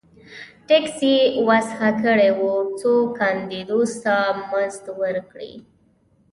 ټکس یې وضعه کړی و څو کاندیدوس ته مزد ورکړي